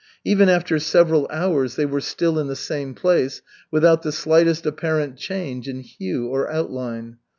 Even after several hours they were still in the same place, without the slightest apparent change in hue or outline.